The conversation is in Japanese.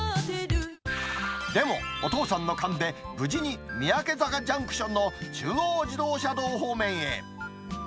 でもお父さんの勘で、無事に三宅坂ジャンクションの中央自動車道方面へ。